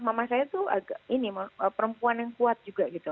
masanya tuh ini perempuan yang kuat juga gitu